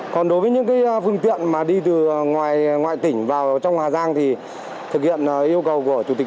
còn đối với những phương tiện mà đi từ ngoài tỉnh vào trong hà giang thì thực hiện yêu cầu của chủ tịch